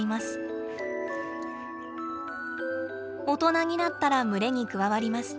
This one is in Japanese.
大人になったら群れに加わります。